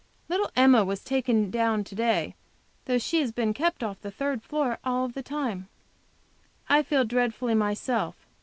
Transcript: Little Emma was taken down to day, though she has been kept on the third floor all the time I feel dreadfully myself.